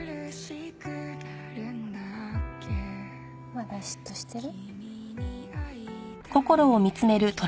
まだ嫉妬してる？